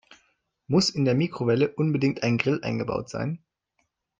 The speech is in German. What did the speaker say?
Muss in der Mikrowelle unbedingt ein Grill eingebaut sein?